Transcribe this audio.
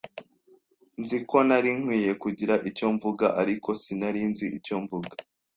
Nzi ko nari nkwiye kugira icyo mvuga, ariko sinari nzi icyo mvuga.